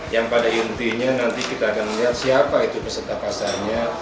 yang pada intinya nanti kita akan melihat siapa itu peserta pasarnya